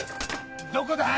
どこだ？